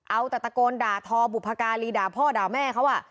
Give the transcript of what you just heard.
เอาแต่ตะโกนด่าทอบุพการีด่าพ่อด่าแม่เขา